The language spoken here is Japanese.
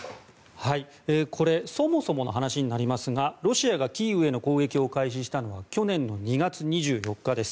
そもそもの話になりますがロシアがキーウへの攻撃を開始したのが去年の２月２４日です。